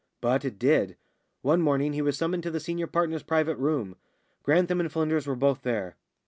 But it did. One morning he was summoned to the senior partner's private room. Grantham and Flynders were both there.